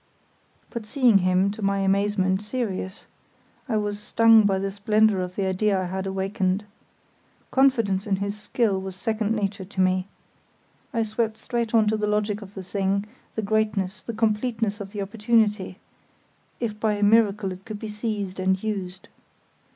But seeing him, to my amazement, serious, I was stung by the splendour of the idea I had awakened. Confidence in his skill was second nature to me. I swept straight on to the logic of the thing, the greatness, the completeness of the opportunity, if by a miracle it could be seized and used.